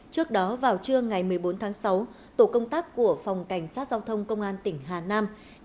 trước đó vào trưa ngày một mươi bốn tháng sáu tổ công tác của phòng cảnh sát giao thông công an tỉnh hà nam